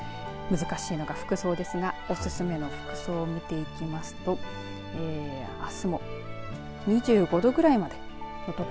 難しいのが服装ですがおすすめの服装を見ていきますとあすも２５度ぐらいまでの所